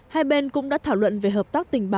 hai bên cũng đã thảo luận về hợp tác tình báo